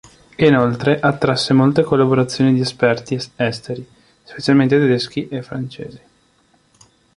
Inoltre, attrasse molte collaborazioni di esperti esteri, specialmente tedeschi e francesi.